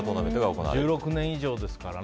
１６年以上ですからね。